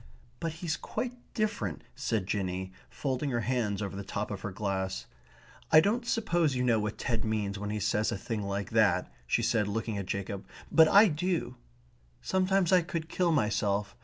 "But he's quite different," said Jinny, folding her hands over the top of her glass. "I don't suppose you know what Ted means when he says a thing like that," she said, looking at Jacob. "But I do. Sometimes I could kill myself.